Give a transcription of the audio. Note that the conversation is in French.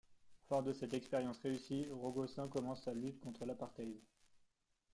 Fort de cette expérience réussie, Rogosin commence sa lutte contre l'apartheid.